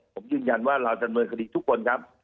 ผมยืนยันว่าเราจำเนินคดีทุกคนครับ